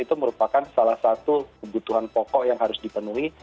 itu merupakan salah satu kebutuhan pokok yang harus dipenuhi